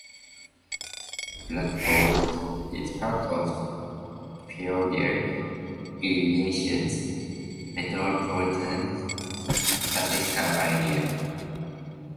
Bradford is part of the Peoria, Illinois Metropolitan Statistical Area.